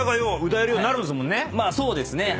まあそうですね。